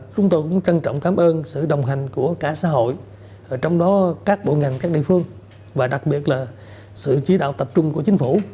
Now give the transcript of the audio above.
chúng tôi cũng trân trọng cảm ơn sự đồng hành của cả xã hội trong đó các bộ ngành các địa phương và đặc biệt là sự chỉ đạo tập trung của chính phủ